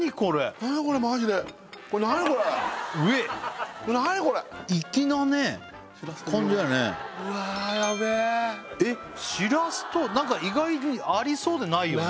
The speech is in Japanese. これ何これうわヤベええっしらすとなんか意外にありそうでないよね